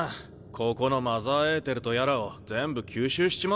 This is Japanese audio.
ここのマザーエーテルとやらを全部吸収しちまおうぜ。